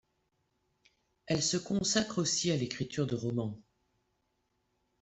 Elle se consacre aussi à l'écriture de romans.